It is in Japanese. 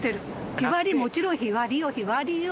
日割り、もちろん日割りよ、日割りよ。